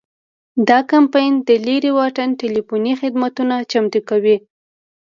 دا کمپنۍ د لرې واټن ټیلیفوني خدمتونه چمتو کوي.